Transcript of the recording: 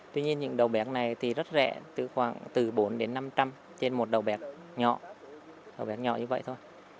tuy nhiên những đầu bẹc này thì rất rẻ khoảng từ bốn trăm linh năm trăm linh trên một đầu bẹc nhỏ